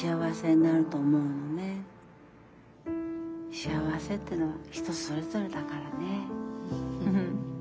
幸せってのは人それぞれだからねぇ。